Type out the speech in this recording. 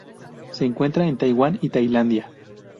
Se encuentra en Taiwán y Tailandia.